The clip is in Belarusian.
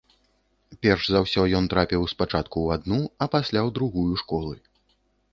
Перш за ўсё ён трапіў спачатку ў адну, а пасля ў другую школы.